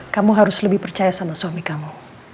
kamu harus lebih percaya sama suami kamu